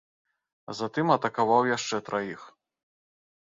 Затым атакаваў яшчэ траіх.